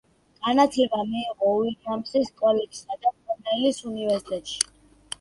განათლება მიიღო უილიამსის კოლეჯსა და კორნელის უნივერსიტეტში.